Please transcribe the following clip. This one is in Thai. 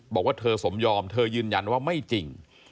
บอกว่าเธอสมยอมเธอยืนยันว่าไม่จริง